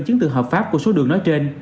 chứng từ hợp pháp của số đường nói trên